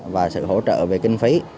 về kinh phí